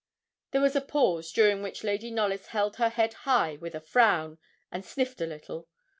There was a pause, during which Lady Knollys held her head high with a frown, and sniffed a little.